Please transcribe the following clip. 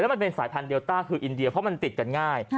มันเป็นสายพันธุเดลต้าคืออินเดียเพราะมันติดกันง่าย